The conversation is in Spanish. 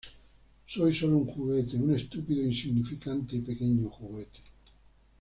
Soy sólo un juguete. Un estúpido insignificante y pequeño juguete.